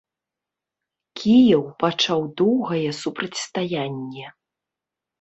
Кіеў пачаў доўгае супрацьстаянне.